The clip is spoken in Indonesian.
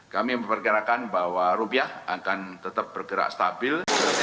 kami memperkirakan bahwa rupiah akan tetap bergerak stabil